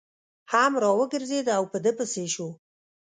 هم را وګرځېد او په ده پسې شو.